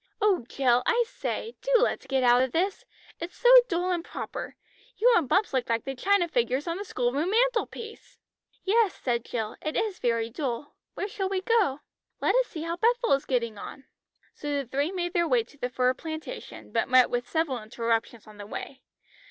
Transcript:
"Oh, Jill, I say, do let's get out of this. It's so dull and proper. You and Bumps look like the china figures on the school room mantelpiece." "Yes," said Jill; "it is very dull. Where shall we go?" "Let us see how Bethel is getting on." So the three made their way to the fir plantation, but met with several interruptions on the way.